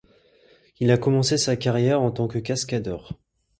Il a commencé sa carrière en tant que cascadeur.